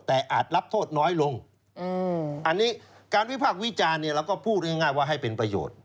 แต่อาจรับโทษน้อยลงอันนี้การวิพากษ์วิจารณ์เนี่ยเราก็พูดง่ายว่าให้เป็นประโยชน์